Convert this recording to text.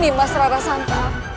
nima serata santa